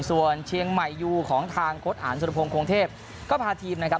ส่วนเชียงใหม่ยูของทางโค้ดอ่านสุรพงศ์คงเทพก็พาทีมนะครับ